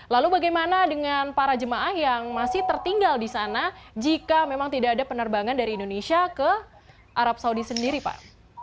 lalu bagaimana dengan para jemaah yang masih tertinggal di sana jika memang tidak ada penerbangan dari indonesia ke arab saudi sendiri pak